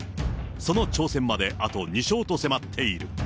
その挑戦まであと２勝と迫っている。